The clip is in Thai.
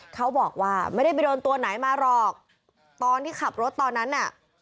เขาบอกว่าไม่ได้ไปโดนตัวไหนมาหรอกตอนที่ขับรถตอนนั้นน่ะ